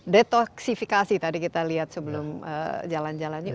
detoksifikasi tadi kita lihat sebelum jalan jalannya